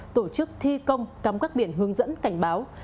tổ chức thi công cắm các biển hướng dẫn cảnh báo